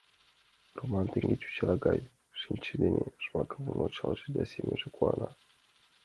Роман тегыт чӱчалтыш гай шинчаж дене Жмаковым ончалеш да семынже куана.